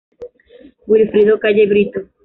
Wilfrido Calle Brito.